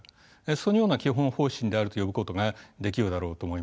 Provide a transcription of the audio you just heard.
そのような基本方針であると呼ぶことができるだろうと思います。